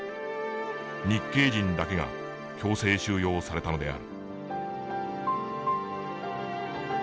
日系人だけが強制収容されたのである」。